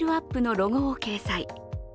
ロゴを掲載。